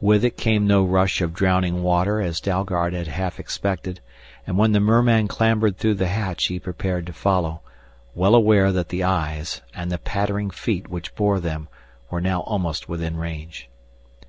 With it came no rush of drowning water as Dalgard had half expected, and when the merman clambered through the hatch he prepared to follow, well aware that the eyes, and the pattering feet which bore them, were now almost within range.